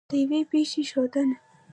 د یوې پېښې ښودنه